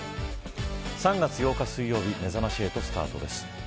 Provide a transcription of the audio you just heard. ３月８日水曜日めざまし８スタートです。